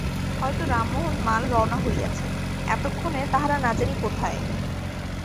হয়তো রামমোহন মাল রওনা হইয়াছে, এতক্ষণে তাহারা না জানি কোথায়।